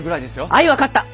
あい分かった。